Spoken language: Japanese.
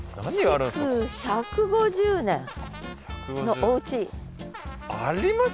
築１５０年のおうち。あります？